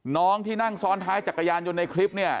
น้องที่นั่งซ้อนท้ายจักรยานยนต์ในคลิปเนี่ย